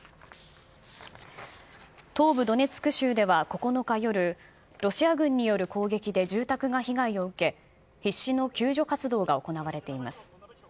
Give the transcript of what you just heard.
東部ドネツク州では９日夜、ロシア軍による攻撃で住宅が被害を受け、必死の救助活動が行われています。